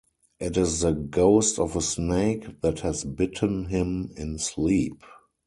It is the ghost of a snake that has bitten him in sleep.